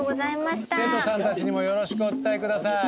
生徒さんたちにもよろしくお伝えください。